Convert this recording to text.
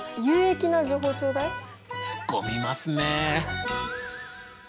つっこみますね。